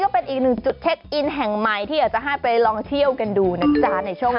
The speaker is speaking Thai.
เป็นหนึ่งจุดเทดอินแห่งมายที่อยากจะให้ไปลองเที่ยวกันดูนะจ๊ะ